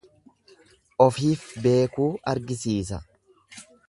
Ofiif beekuu argisiisa.